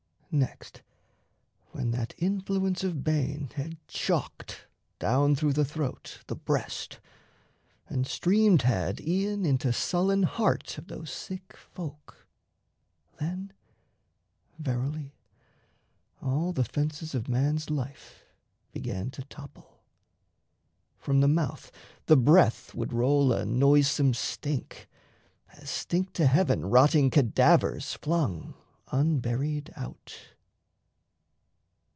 Next when that Influence of bane had chocked, Down through the throat, the breast, and streamed had E'en into sullen heart of those sick folk, Then, verily, all the fences of man's life Began to topple. From the mouth the breath Would roll a noisome stink, as stink to heaven Rotting cadavers flung unburied out.